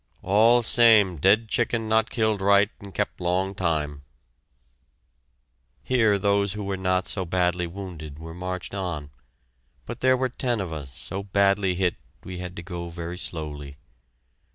"All same dead chicken not killed right and kep' long time." Here those who were not so badly wounded were marched on, but there were ten of us so badly hit we had to go very slowly.